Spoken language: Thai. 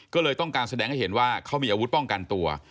ก็เลยต้องการแสดงให้เห็นว่าเขามีอาวุธป้องกันตัว